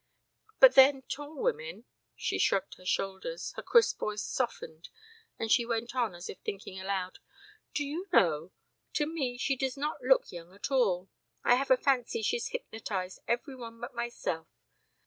But then tall women " She shrugged her shoulders, her crisp voice softened and she went on as if thinking aloud. "Do you know ... to me she does not look young at all. I have a fancy she's hypnotized every one but myself.